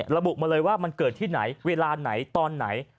ระบุมาเลยว่ามันเกิดที่ไหนเวลาไหนตอนไหน